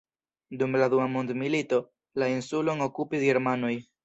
Dum la dua mondmilito, la insulon okupis germanoj.